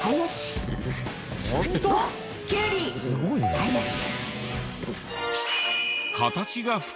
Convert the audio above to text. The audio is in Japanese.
はいよし！